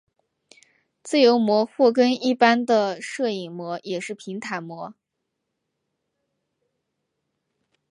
自由模或更一般的射影模也是平坦模。